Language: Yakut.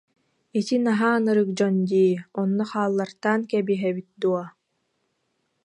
Ити наһаа ынырык дьон дии, онно хааллартаан кэбиһэбит дуо